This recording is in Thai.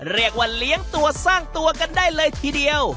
เรียกว่าเลี้ยงตัวสร้างตัวกันได้เลยทีเดียว